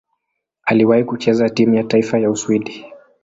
Aliwahi kucheza timu ya taifa ya Uswidi.